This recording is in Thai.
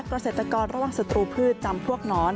เกษตรกรระหว่างศัตรูพืชจำพวกหนอน